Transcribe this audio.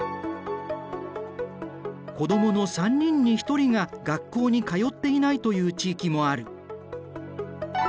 子供の３人に１人が学校に通っていないという地域もある。